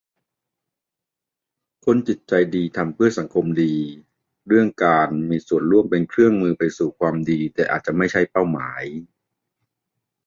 คนจิตใจดีทำเพื่อสังคมดี เรื่องการมีส่วมร่วมเป็นเครื่องมือไปสู่ความดี แต่อาจไม่ใช่เป้าหมาย